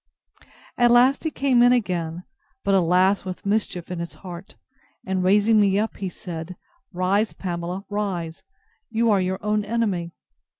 At last he came in again, but, alas! with mischief in his heart! and raising me up, he said, Rise, Pamela, rise; you are your own enemy.